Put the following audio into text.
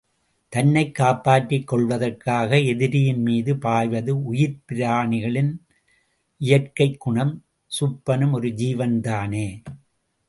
தன்னைக் காப்பாற்றிக் கொள்வதற்காக எதிரியின் மீது பாய்வது உயிர்ப் பிராணிகளின் இயற்கைக் குணம் சுப்பனும் ஒரு ஜீவன் தானே!